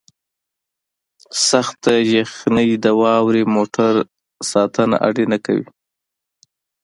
سخته یخنۍ د واورې موټر ساتنه اړینه کوي